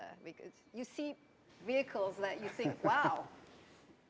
karena kamu melihat kendaraan yang kamu pikirkan